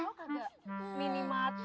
oh mau gak minimal